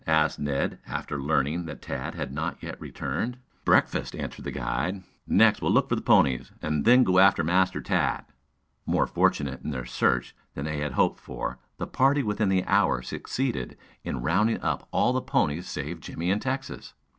asked Ned after learning that Tad had not yet returned. "Breakfast," answered the guide. "Next, we'll look for the ponies, then go after Master Tad." More fortunate in their search than they had hoped for, the party within the hour succeeded in rounding up all the ponies save Jimmie and Texas.